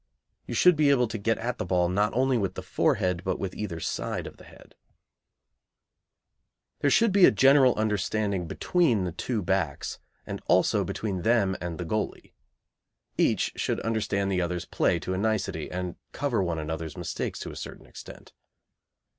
You should be able to get at the ball not only with the forehead, but with either side of the head. [Illustration: HEADING THE BALL.] There should be a general understanding between the two backs, and also between them and the goalie. Each should understand the other's play to a nicety, and cover one another's mistakes to a certain extent.